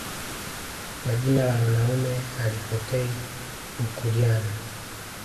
Na jina la mwanaume halipotei ukuryani